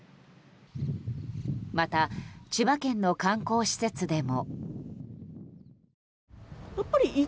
また、千葉県の観光施設でも。